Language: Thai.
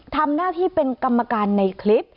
ทำหน้าที่เป็นกรรมการในคลิป